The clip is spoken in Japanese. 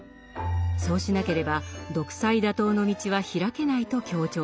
そうしなければ独裁打倒の道は拓けないと強調しています。